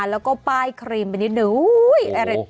อร่อยอร่อย